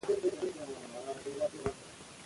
اقبال خان په جنګ کې ګډون کړی وو.